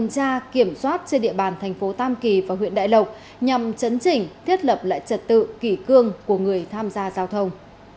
điện bàn tp tam kỳ và huyện đại lộc nhằm chấn chỉnh thiết lập lại trật tự kỷ cương của người tham gia giao thông